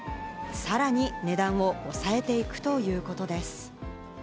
さらに値段を抑えていくということです。